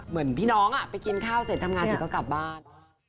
เหมือนพี่น้องไปกินข้าวเสร็จทำงานเสร็จก็กลับบ้าน